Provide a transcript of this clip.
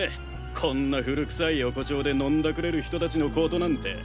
こんな古くさい横丁で飲んだくれる人たちのことなんて。